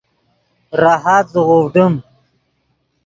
راحت زیغوڤڈیم